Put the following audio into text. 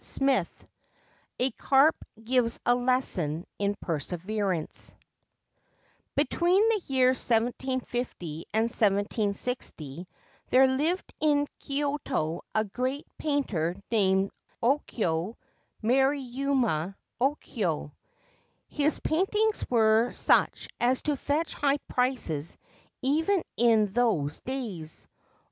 43 VI A CARP GIVES A LESSON IN PERSEVERANCE l BETWEEN the years 1750 and 1760 there lived in Kyoto a great painter named Okyo Maruyama Okyo. His paintings were such as to fetch high prices even in those days.